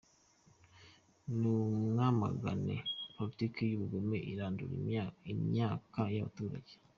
Ni mwamagane politike y’urugomo irandura imyaka y’abaturage.